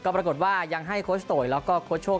ปรากฏว่ายังให้โคชโตย์และโคชโฮด